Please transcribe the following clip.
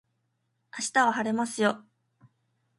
明日は晴れますよ